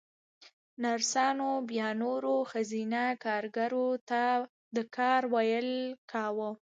نرسانو بيا نورو ښځينه کاريګرو ته د کار ويل کاوه.